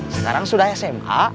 sekarang sudah sma